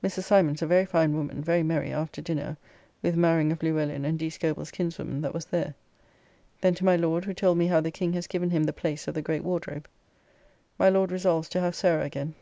Mrs. Symons, a very fine woman, very merry after dinner with marrying of Luellin and D. Scobell's kinswoman that was there. Then to my Lord who told me how the King has given him the place of the great Wardrobe. My Lord resolves to have Sarah again.